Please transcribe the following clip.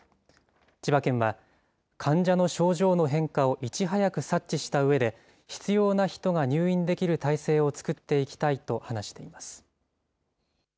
千葉県は、患者の症状の変化をいち早く察知したうえで、必要な人が入院できる体制を作っていきたいと話しています。